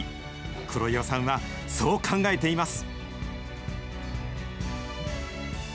黒岩さんはそう考えています。